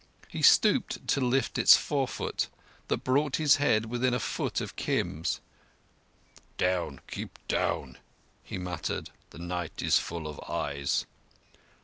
He stooped to lift its forefoot, and that brought his head within a foot of Kim's. "Down—keep down," he muttered. "The night is full of eyes."